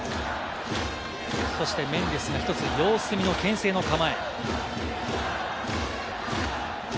メンデスがひとつ様子見のけん制の構え。